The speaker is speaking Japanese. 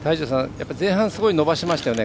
前半すごい伸ばしましたよね。